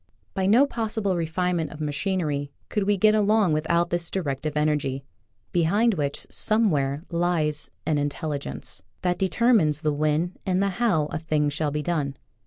By no possible refine ment of machinery could we get along with out this directive energy, behind which, some where, lies an Intelligence that determines the when and the how a thing shall be done.